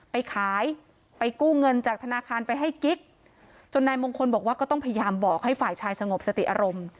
ไปขายไปกู้เงินจากธนาคารไปให้กิ๊กจนนายมงคลบอกว่าก็ต้องพยายามบอกให้ฝ่ายชายสงบสติอารมณ์